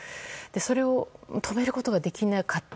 それを止めることができなかった。